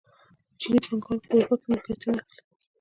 چیني پانګوال په اروپا کې ملکیتونه اخلي.